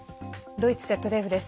ドイツＺＤＦです。